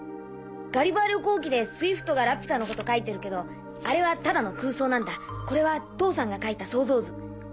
『ガリバー旅行記』でスウィフトがラピュタのこと書いてるけどあれはただの空想なんだこれは父さんが描いた想像図。